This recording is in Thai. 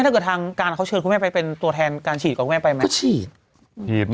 ทางการเขาเชิญคุณแม่ไปเป็นตัวแทนการฉีดหรือกับคุณแม่ไหม